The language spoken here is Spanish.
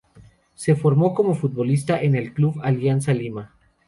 Se formó como futbolista en el Club Alianza Lima.